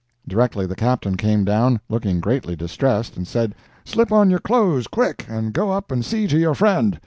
Directly the Captain came down, looking greatly distressed, and said: "Slip on your clothes quick and go up and see to your friend.